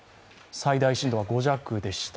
最大震度は５弱でした。